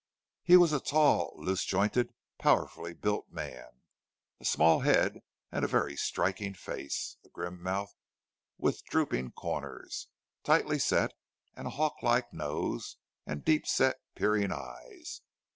He was a tall, loose jointed, powerfully built man, a small head and a very striking face: a grim mouth with drooping corners tightly set, and a hawk like nose, and deep set, peering eyes.